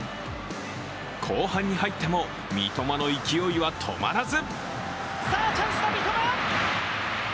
後半に入っても三笘の勢いは止まらず。